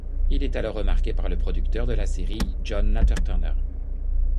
Il est alors remarqué par le producteur de la série, John Nathan-Turner.